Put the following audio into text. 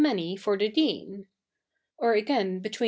iy for the Dean. Or again betivee?!